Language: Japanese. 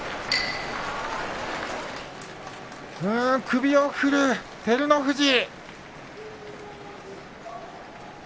首を振る照ノ富士。